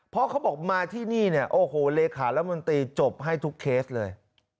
เพราะเขาบอกมาที่นี่เนี่ยโอ้โหเลขารัฐมนตรีจบให้ทุกเคสเลย